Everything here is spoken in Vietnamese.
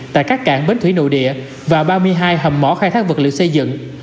tại các cảng bến thủy nội địa và ba mươi hai hầm mỏ khai thác vật liệu xây dựng